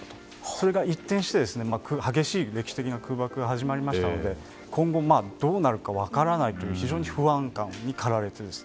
それが一転して激しい空爆が始まりましたので今後どうなるか分からないという非常に不安感に駆られていて。